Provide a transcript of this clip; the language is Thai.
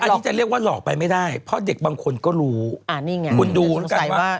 อันนี้จะเรียกว่าหลอกไปไม่ได้เพราะเด็กบางคนก็รู้คุณดูแล้วกันว่า